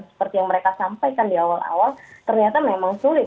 seperti yang mereka sampaikan di awal awal ternyata memang sulit